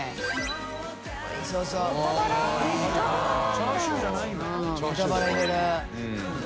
チャーシューじゃないんだ。